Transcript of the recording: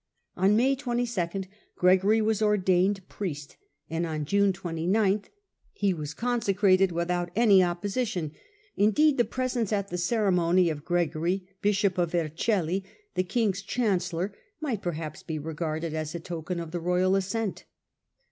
On May 22 Gregory was ordained priest, and on June 29 he was consecrated without any opposition; indeed, the presence at the ceremony of Gregory, bishop of Vercelli, the king's chancellor, might perhaps be re garded as a token of the royal assent.